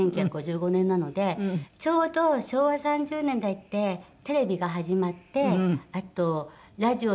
１９５５年なのでちょうど昭和３０年代ってテレビが始まってあとラジオとかもすごい全盛の時で。